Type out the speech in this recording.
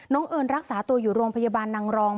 เอิญรักษาตัวอยู่โรงพยาบาลนางรอง